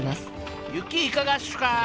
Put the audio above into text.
雪いかがっすか？